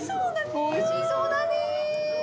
おいしそうだね。